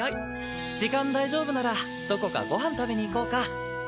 時間大丈夫ならどこかご飯食べに行こうか。